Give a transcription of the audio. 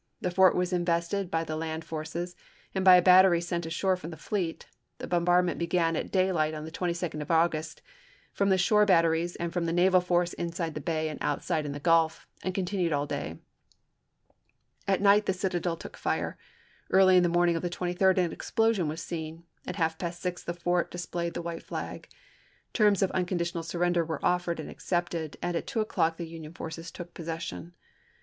The fort was in vested by the land forces, and by a battery sent ashore from the fleet ; the bombardment began at daylight, on the 22d of August, from the shore batteries and from the naval force inside the bay and outside in the Gulf, and continued all day. At night the citadel took fire ; early in the morning of the 23d an explosion was seen, and at half past six the fort displayed the white flag. Terms of uncon ditional surrender were offered and accepted, and at two o'clock the Union forces took possession.